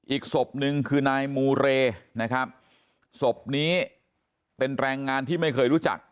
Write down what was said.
อีกศพหนึ่งคือนายมูเรนะครับศพนี้เป็นแรงงานที่ไม่เคยรู้จัก